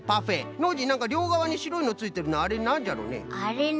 ノージーなんかりょうがわにしろいのついてるのあれなんじゃろね？